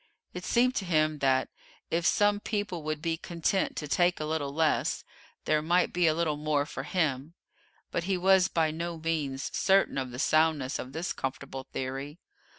It seemed to him that, if some people would be content to take a little less, there might be a little more for him; but he was by no means certain of the soundness of this comfortable theory.